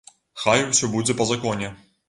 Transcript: Хай усё будзе па законе.